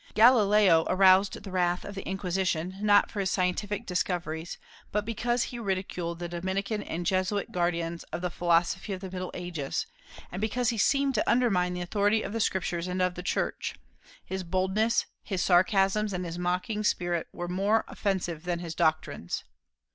Galileo aroused the wrath of the Inquisition not for his scientific discoveries, but because he ridiculed the Dominican and Jesuit guardians of the philosophy of the Middle Ages, and because he seemed to undermine the authority of the Scriptures and of the Church: his boldness, his sarcasms, and his mocking spirit were more offensive than his doctrines.